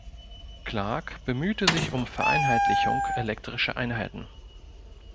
Clark bemühte sich um Vereinheitlichung elektrischer Einheiten.